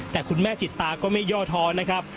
แต่คุณแม่จิตตาก็ไม่ย่อท้อนะครับ